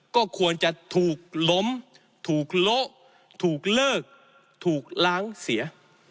ก็ควรจะถูกล้มถูกโละถูกเลิกถูกล้างเสีย